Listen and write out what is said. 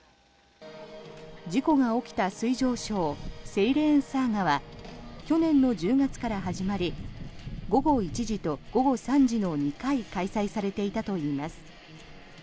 事故が起きた水上ショーセイレーン・サーガは去年の１０月から始まり午後１時と午後３時の２回開催されていたといいます。